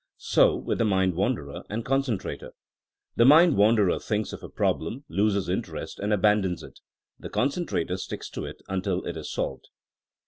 So with the mind wanderer and the concentrator* The mind wanderer thinks of a problem, loses interest, and abandons it. The concentrator sticks to it until it is solved.